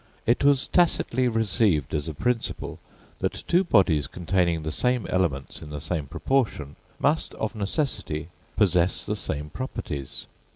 It was tacitly received as a principle, that two bodies containing the same elements in the same proportion, must of necessity possess the same properties.